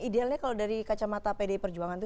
idealnya kalau dari kacamata pdi perjuangan itu